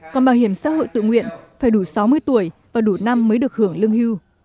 còn bảo hiểm xã hội tự nguyện phải đủ sáu mươi tuổi và đủ năm mới được hưởng lương hưu